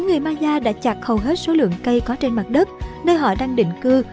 người maya đã chặt hầu hết số lượng cây có trên mặt đất nơi họ đang định cư